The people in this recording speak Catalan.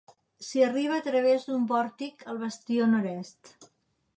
S'hi arriba a través d'un pòrtic al bastió nord-est.